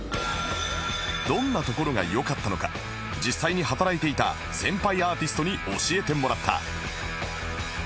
どんなところが良かったのか実際に働いていた先輩アーティストに教えてもらった